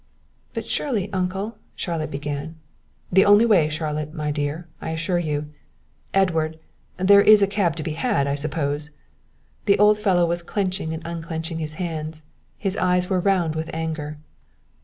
"But surely, uncle " Charlotte began. "The only way, Charlotte, my dear, I assure you. Edward, there is a cab to be had, I suppose?" The old fellow was clenching and unclenching his hands, his eyes were round with anger.